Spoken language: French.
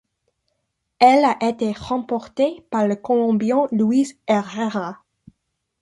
Elle a été remportée par le Colombien Luis Herrera.